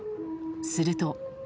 すると。